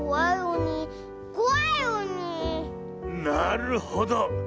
なるほど。